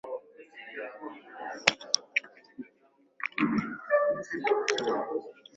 Bi Anita alimuomba Jacob asirudi Dar kwa kuhofia angepoteza muda wa kufanya kazi yake